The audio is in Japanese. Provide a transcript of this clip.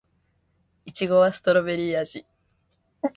いちごはストベリー味